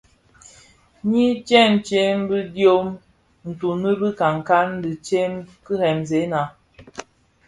Nyi tsèntsé bi diom tunun bi nkankan, ti ted kiremzèna.